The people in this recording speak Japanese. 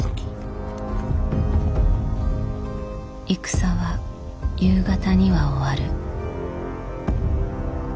戦は夕方には終わる。